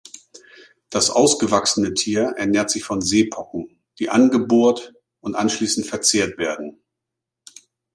Das ausgewachsene Tier ernährt sich von Seepocken, die angebohrt und anschließend verzehrt werden.